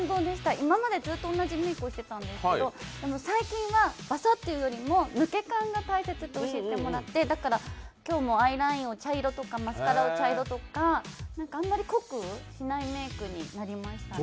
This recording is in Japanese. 今までずっと同じメークをしていたんですけど、最近は、ばさっというよりも抜け感が大切と教えてもらってだから今日もアイラインを茶色とかマスカラを茶色とかあんまり濃くしないメークになりましたね。